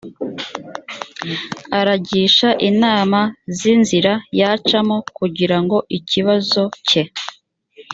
aragisha inama z inzira yacamo kugirango ikibazo ke